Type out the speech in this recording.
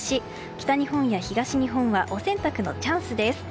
北日本や東日本はお洗濯のチャンスです。